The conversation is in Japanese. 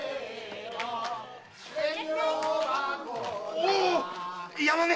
おう山根！